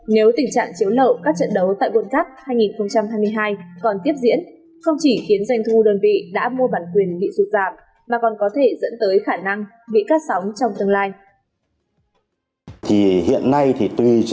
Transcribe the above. nếu tình trạng chiếu lậu các trận đấu tại world cup hai nghìn hai mươi hai còn tiếp diễn không chỉ khiến doanh thu đơn vị đã mua bản quyền bị sụt giảm mà còn có thể dẫn tới khả năng bị cắt sóng trong tương lai